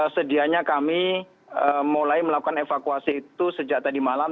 sedianya kami mulai melakukan evakuasi itu sejak tadi malam